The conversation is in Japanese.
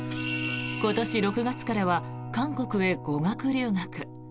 今年６月からは韓国へ語学留学。